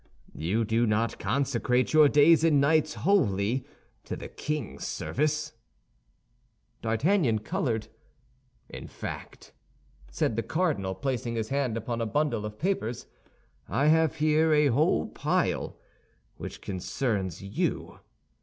You do not consecrate your days and nights wholly to the king's service." D'Artagnan colored. "In fact," said the cardinal, placing his hand upon a bundle of papers, "I have here a whole pile which concerns you.